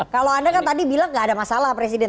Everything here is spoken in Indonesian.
kalau anda kan tadi bilang nggak ada masalah presiden